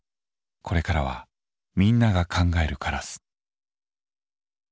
これからはみんなが「考えるカラス」。